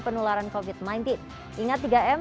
penularan covid sembilan belas ingat tiga m